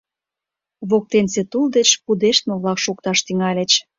Воктенсе тул деч пудештме-влак шокташ тӱҥальыч.